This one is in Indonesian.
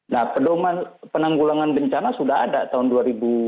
nah penanggulangan bencana sudah ada tahun dua ribu enam belas ya